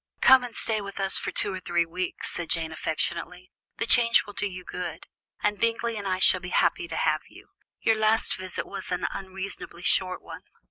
"Come and stay with us for two or three weeks," said Jane affectionately. "The change will do you good, and Bingley and I shall be happy to have you; your last visit was an unreasonably short one."